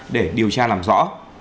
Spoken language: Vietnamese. để điều tra làm rõ